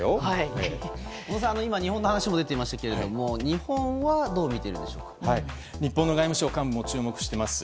小野さん、今日本の話も出ていましたが日本の外務省幹部も注目しています。